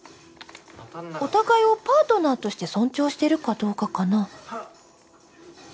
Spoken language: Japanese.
お互いをパートナーとして尊重してるかどうかかな？